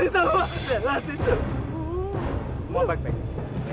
semua baik baik saja